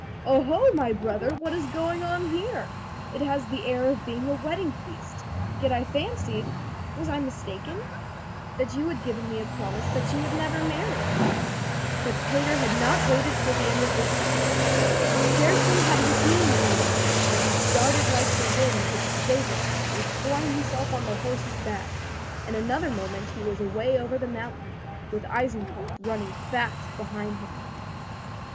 "Oh, ho, my brother! what is going on here? It has the air of being a wedding feast. Yet I fancied—was I mistaken?—that you had given me a promise that you never would marry." But Peter had not waited for the end of this speech. Scarcely had he seen Eisenkopf than he darted like the wind to the stable and flung himself on the horse's back. In another moment he was away over the mountain, with Eisenkopf running fast behind him.